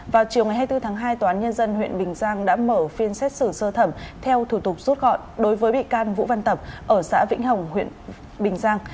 vào chiều ngày hai mươi bốn tháng hai tòa án nhân dân huyện bình giang đã mở phiên xét xử sơ thẩm theo thủ tục rút gọn đối với bị can vũ văn tập ở xã vĩnh hồng huyện bình giang